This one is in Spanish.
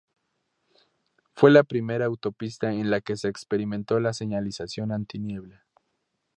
Fue la primera autopista en la que se experimentó la señalización antiniebla.